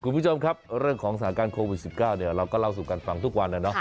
คุณผู้ชมครับเรื่องของสถานการณ์โควิด๑๙เราก็เล่าสู่กันฟังทุกวันนะเนาะ